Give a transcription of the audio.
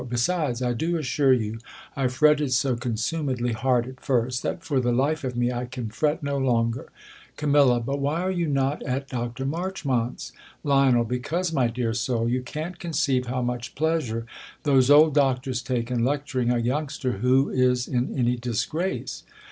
Besides, I do assure ym, I fretted so consumedly hard at first, that for the life of me I can fret no longer. Crtw. But why are you not at Dr. Marchmont's ? Lion. Because, my dear soul , you can't conceive ho^r much pleasure those old doctors take hi lecturing a youngster who is in any disgrace.